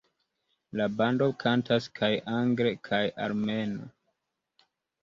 La bando kantas kaj angle kaj armene.